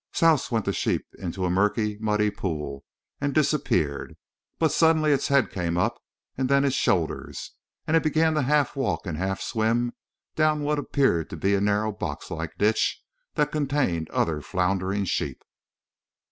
Souse went the sheep into a murky, muddy pool and disappeared. But suddenly its head came up and then its shoulders. And it began half to walk and half swim down what appeared to be a narrow boxlike ditch that contained other floundering sheep.